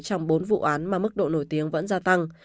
trong bốn vụ án mà mức độ nổi tiếng vẫn gia tăng